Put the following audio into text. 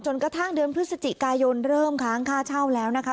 กระทั่งเดือนพฤศจิกายนเริ่มค้างค่าเช่าแล้วนะคะ